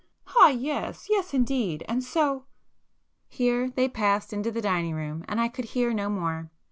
"Ah yes! Yes indeed! And so——" Here they passed into the dining room and I could hear no more.